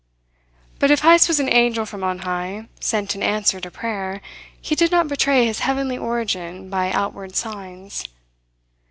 But if Heyst was an angel from on high, sent in answer to prayer, he did not betray his heavenly origin by outward signs.